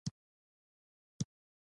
د خبرو واک باید وپېژندل شي